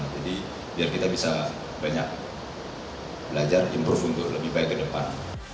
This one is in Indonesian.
jadi biar kita bisa banyak belajar improve untuk lebih baik ke depan